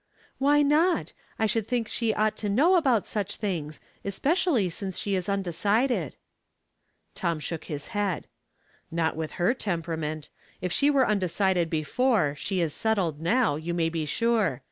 " Why not ? I should think she ought to know about such things, especially since she is undecided." Tom shook his head. " Not with her temperament. If she were un decided before, she is settled now, you may be sure.